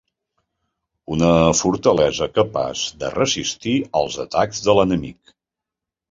Una fortalesa capaç de resistir els atacs de l'enemic.